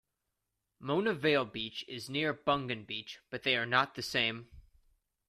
Mona Vale Beach is near Bungan Beach but they are not the same.